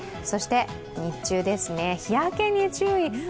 そして日中ですね、日焼けに注意。